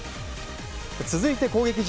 続いて攻撃陣。